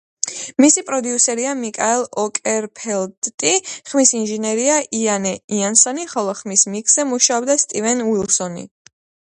მისი პროდიუსერია მიკაელ ოკერფელდტი, ხმის ინჟინერია იანე იანსონი, ხოლო ხმის მიქსზე მუშაობდა სტივენ უილსონი.